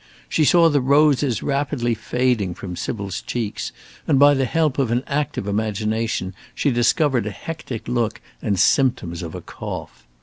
She saw the roses rapidly fading from Sybil's cheeks, and by the help of an active imagination she discovered a hectic look and symptoms of a cough.